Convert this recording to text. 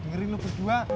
istri lo berdua